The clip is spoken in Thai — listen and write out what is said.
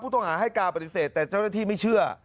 ต้องหาให้การปฏิเสธแต่เจ้าหน้าที่ไม่เชื่อ